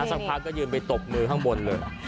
หนึ่งครั้งพักก็ยืนไปตบมือข้างบนเลย